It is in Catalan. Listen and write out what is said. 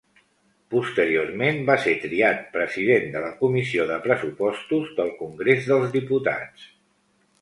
Posteriorment va ser triat President de la comissió de Pressupostos del Congrés dels Diputats.